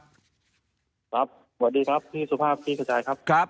สวัสดีครับพี่สุภาพที่กระจายครับ